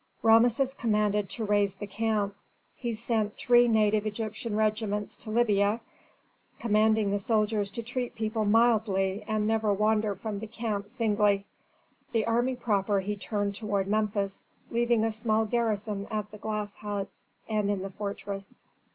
Rameses commanded to raise the camp. He sent three native Egyptian regiments to Libya, commanding the soldiers to treat people mildly and never wander from the camp singly. The army proper he turned toward Memphis, leaving a small garrison at the glass huts and in the fortress.